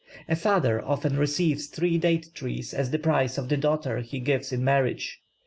A father often receives three date trees as the price of the daughter he gives in marriage.